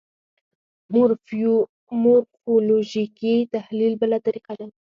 مورفولوژیکي تحلیل بله طریقه ده.